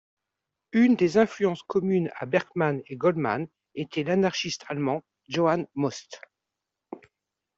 Une des influences communes à Berkman et Goldman était l'anarchiste allemand Johann Most.